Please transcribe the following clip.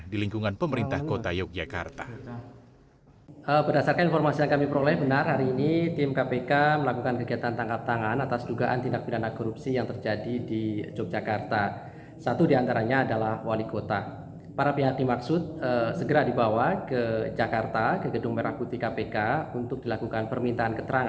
di lingkungan pemerintah kota yogyakarta